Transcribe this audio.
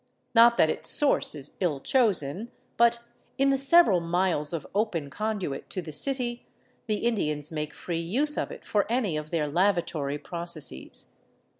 Not that its source is ill chosen, but in the several miles of open conduit to the city, the Indians make free use of it for any of their lavatory processes.